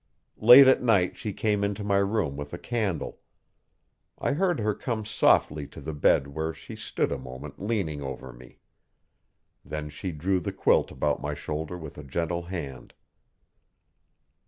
Late at night she came into my room with a candle. I heard her come softly to the bed where she stood a moment leaning over me. Then she drew the quilt about my shoulder with a gentle hand.